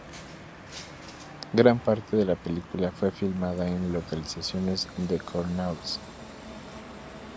Gran parte de la película fue filmada en localizaciones de Cornualles.